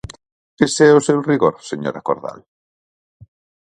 Ese é o seu rigor, señora Cordal.